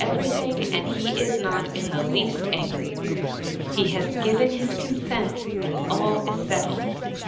every thing, and he is not in the least angry. He has given his consent, and all is settled.